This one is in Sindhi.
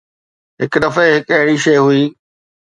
هڪ دفعي هڪ اهڙي شيء هئي.